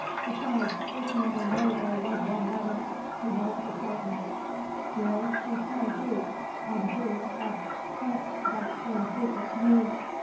Besides, dis nigga know dey lub one noder he know fo sartin. Jule, she tell Jupe; and Jupe hab trussed dat same seecret to me.